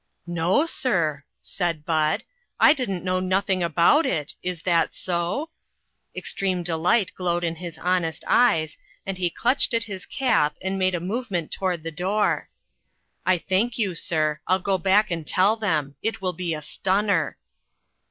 " No, sir," said Bud, " I didn't know noth ing about it. Is that so ?" Extreme de light glowed in his honest eyes, and he clutched at his cap and made a movement toward the door. " I thank you, sir ; I'll go back and tell him ; it will be a stunner